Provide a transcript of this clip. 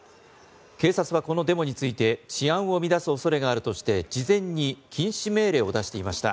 警察はこのデモについて治安を乱す恐れがあるとして事前に禁止命令を出していました。